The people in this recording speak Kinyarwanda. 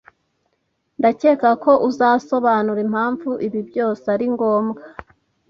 Ndakeka ko uzasobanura impamvu ibi byose ari ngombwa